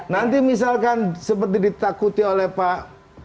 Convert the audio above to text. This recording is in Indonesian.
nanti misalkan seperti ditakuti oleh pak